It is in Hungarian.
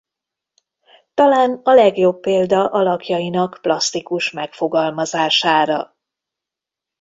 Talán a legjobb példa alakjainak plasztikus megfogalmazására.